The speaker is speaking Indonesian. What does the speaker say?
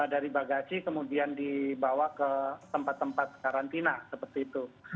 dari bagasi kemudian dibawa ke tempat tempat karantina seperti itu